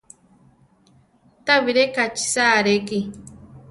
Tabiré kachisa reki.